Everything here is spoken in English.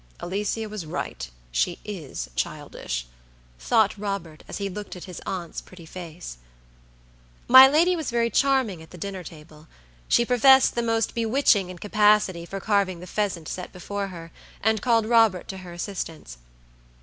"Alicia was right, she is childish," thought Robert as he looked at his aunt's pretty face. My lady was very charming at the dinner table; she professed the most bewitching incapacity for carving the pheasant set before her, and called Robert to her assistance.